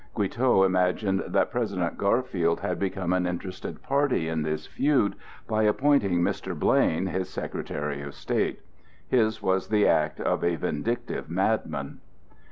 Guiteau imagined that President Garfield had become an interested party in this feud by appointing Mr. Blaine his Secretary of State. His was the act of a vindictive madman.